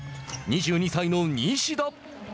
２２歳の西田。